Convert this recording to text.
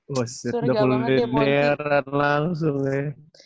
woset udah puluh deneran langsung deh